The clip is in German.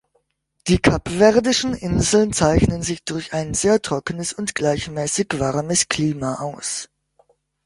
Die kapverdischen Inseln zeichnen sich durch ein sehr trockenes und gleichmäßig warmes Klima aus.